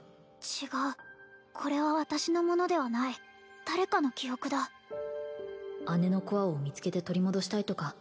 違うこれは私のものではない誰かの記憶だ姉のコアを見つけて取り戻したいとか